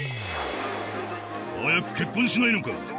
「早く結婚しないのか！？」